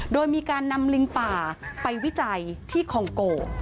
โดยมีการนำลิงป่าไปวิจัยที่คองโก